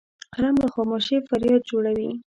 قلم له خاموشۍ فریاد جوړوي